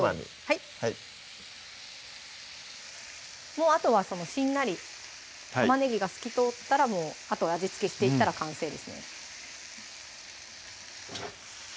はいもうあとはしんなり玉ねぎが透き通ったらもうあとは味付けしていったら完成ですね